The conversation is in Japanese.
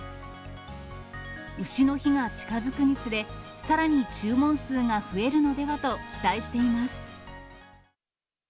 うしの日が近づくにつれ、さらに注文数が増えるのではと期待しています。